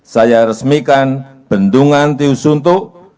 saya resmikan bendungan tiusu